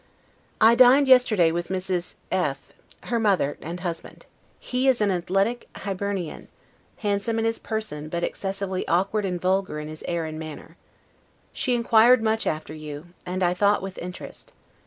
I dined yesterday with Mrs. F d, her mother and husband. He is an athletic Hibernian, handsome in his person, but excessively awkward and vulgar in his air and manner. She inquired much after you, and, I thought, with interest.